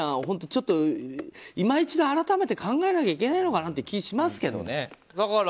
本当ちょっと今一度改めて考えなきゃいけないのかなっていう気はしますけどね。